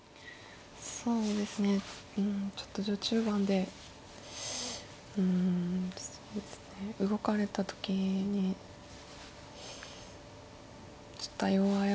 そうですねうんちょっと序中盤でうんそうですね動かれた時にちょっと対応を誤ったかもしれないです。